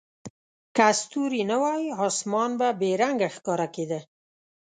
که ستوري نه وای، اسمان به بې رنګه ښکاره کېده.